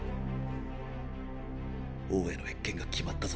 王への謁見が決まったぞ。